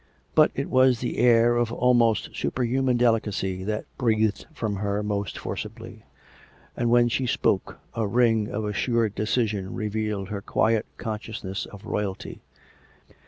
But it was the air of almost super human delicacy that breathed from her most forcibly; and, when she spoke, a ring of assured decision revealed her quiet consciousness of royalty.